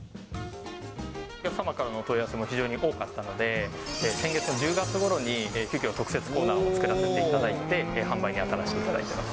お客様からの問い合わせも非常に多かったので、先月の１０月ごろに急きょ、特設コーナーを作らせていただいて、販売に当たらせていただいてます。